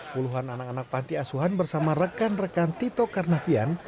puluhan anak anak panti asuhan bersama rekan rekan tito karnavian